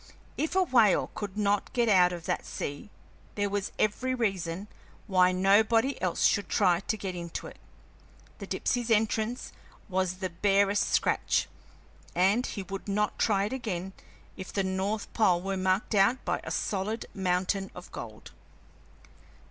If a whale could not get out of that sea there was every reason why nobody else should try to get into it; the Dipsey's entrance was the barest scratch, and he would not try it again if the north pole were marked out by a solid mountain of gold.